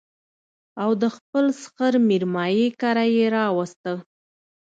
او د خپل سخر مېرمايي کره يې راوسته